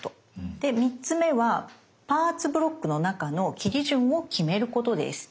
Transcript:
で３つ目はパーツ・ブロックの中の切り順を決めることです。